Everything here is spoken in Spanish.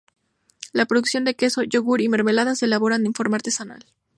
La producción de queso, yogur y mermeladas se elaboran en forma artesanal.